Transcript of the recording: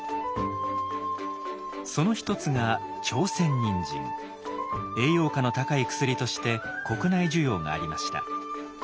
その一つが栄養価の高い薬として国内需要がありました。